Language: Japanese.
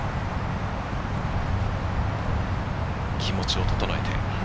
気持ちを整えて。